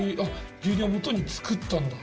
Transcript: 牛乳をもとに作ったんだ。